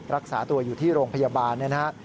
รักษาตัวอยู่ที่โรงพยาบาลนะครับ